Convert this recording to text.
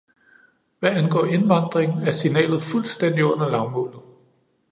Hvad angår indvandring, er signalet fuldstændigt under lavmålet.